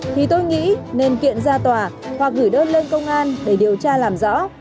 thì tôi nghĩ nên kiện ra tòa hoặc gửi đơn lên công an để điều tra làm rõ